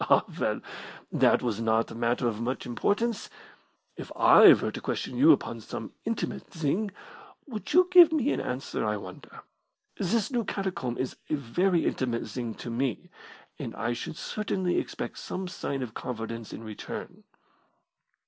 "Ah, well, that was not a matter of much importance. If I were to question you upon some intimate thing, would you give me an answer, I wonder! This new catacomb is a very intimate thing to me, and I should certainly expect some sign of confidence in return."